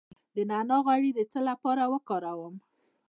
د نعناع غوړي د څه لپاره وکاروم؟